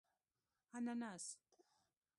🍍 انناس